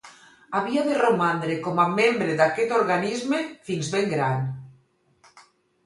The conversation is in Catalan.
Havia de romandre com a membre d'aquest organisme fins ben gran.